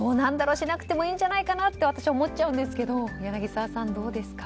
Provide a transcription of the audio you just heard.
しなくてもいいんじゃないかなと私は思っちゃうんですが柳澤さん、どうですか？